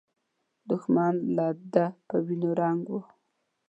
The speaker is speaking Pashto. دښمن له ده په وینو رنګ و.